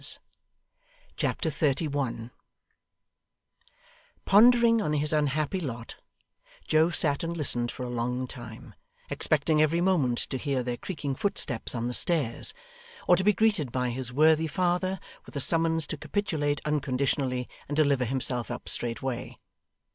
Chapter 31 Pondering on his unhappy lot, Joe sat and listened for a long time, expecting every moment to hear their creaking footsteps on the stairs, or to be greeted by his worthy father with a summons to capitulate unconditionally, and deliver himself up straightway.